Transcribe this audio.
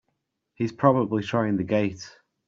He's probably trying the gate!